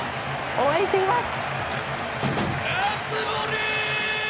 応援しています！